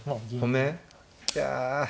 いや。